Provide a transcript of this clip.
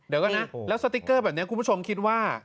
เดี๋ยวก่อนนะแล้วสติ๊กเกอร์แบบนี้คุณผู้ชมคิดว่า